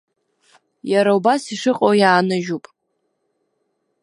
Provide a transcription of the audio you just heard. Иара убас ишыҟоу иааныжьуп.